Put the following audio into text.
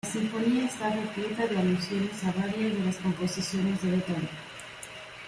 La sinfonía está repleta de alusiones a varias de las composiciones de Beethoven.